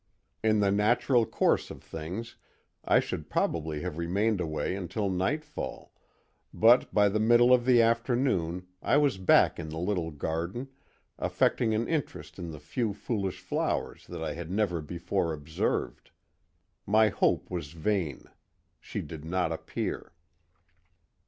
In the natural course of things I should probably have remained away until nightfall, but by the middle of the afternoon I was back in the little garden, affecting an interest in the few foolish flowers that I had never before observed. My hope was vain; she did not appear.